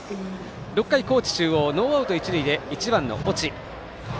６回、高知中央ノーアウト、一塁で１番の越智。